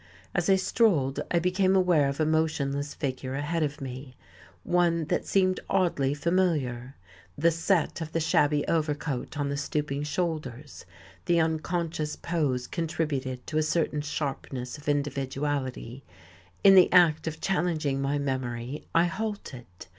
As I strolled I became aware of a motionless figure ahead of me, one that seemed oddly familiar; the set of the shabby overcoat on the stooping shoulders, the unconscious pose contributed to a certain sharpness of individuality; in the act of challenging my memory, I halted.